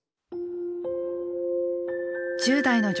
１０代の女